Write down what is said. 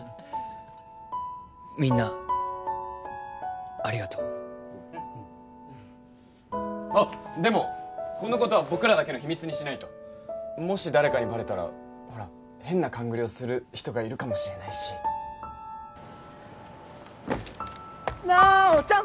みんなありがとううんうんあっでもこんなことは僕らだけの秘密にしないともし誰かにバレたらほら変な勘ぐりをする人がいるかもしれないし奈緒ちゃん！